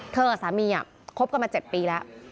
เธอกับสามีครบกันมา๗ปีแล้ว